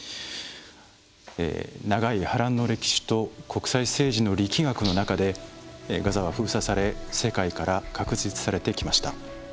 長い波乱の歴史と国際政治の力学の中でガザは封鎖され世界から隔絶されてきました。